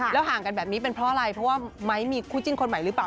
ห่างกันแบบนี้เป็นเพราะอะไรเพราะว่าไม้มีคู่จิ้นคนใหม่หรือเปล่า